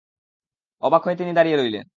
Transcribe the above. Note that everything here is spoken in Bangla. অবাক হয়ে তিনি দাঁড়িয়ে রইলেন।